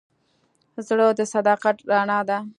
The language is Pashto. زړه د صداقت رڼا ده.